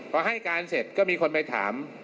พอให้การเสร็จก็มีคนไปถาม